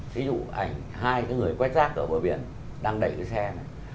thí dụ ảnh hai cái người quét rác ở bờ biển đang đẩy cái xe này